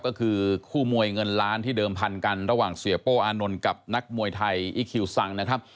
ก็คือคู่มวยเงินล้านที่เดิมพันกันระหว่างเสียโป้อานนท์กับนักมวยไทยอีคิวซังนะครับ